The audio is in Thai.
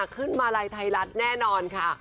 ขึ้นมาลัยไทยรัฐแน่นอนค่ะ